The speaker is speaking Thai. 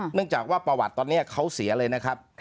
เนื่องจากว่าประวัติตอนนี้เขาเสียเลยนะครับ